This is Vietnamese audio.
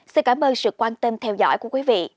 xin cảm ơn sự quan tâm theo dõi của quý vị